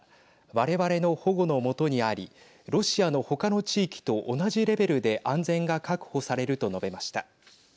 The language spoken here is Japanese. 我々の保護の下にありロシアの他の地域と同じレベルで安全が確保されると述べました。